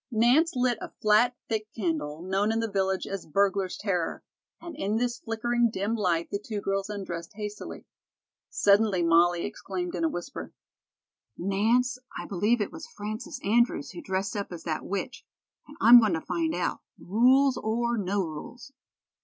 Nance lit a flat, thick candle, known in the village as "burglar's terror," and in this flickering dim light the two girls undressed hastily. Suddenly Molly exclaimed in a whisper: "Nance, I believe it was Frances Andrews who dressed up as that witch, and I'm going to find out, rules or no rules."